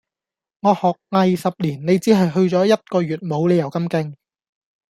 我學藝十年，你只係去咗一個月，冇理由咁勁